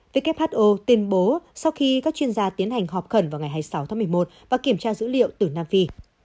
who tuyên bố sau khi các chuyên gia tiến hành họp khẩn vào ngày hai mươi sáu tháng một mươi một và kiểm tra dữ liệu từ nam phi